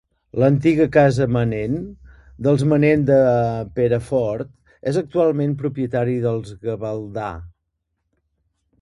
L'antiga casa Manent, dels Manent de Perafort, és actualment propietat dels Gavaldà.